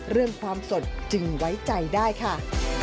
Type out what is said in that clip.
เรื่องความสดจึงไว้ใจได้ค่ะ